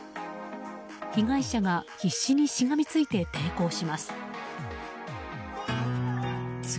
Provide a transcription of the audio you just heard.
被害者が必死にしがみついて抵抗します。